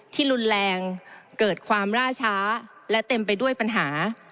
ที่รุนแรงเกิดความล่าช้าและเต็มไปด้วยปัญหา